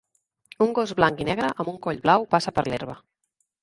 Un gos blanc i negre amb un coll blau passa per l'herba.